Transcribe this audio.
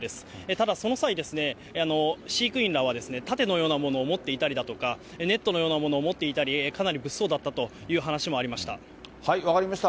ただ、その際ですね、飼育員らは盾のようなものを持っていたりだとか、ネットのようなものを持っていたり、かなり物騒だったという話も分かりました。